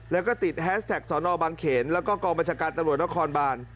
แล้วก็ติดแฮสแท็กสอนอบางเขนแล้วก็กองบัญชาการตำรวจนครบาน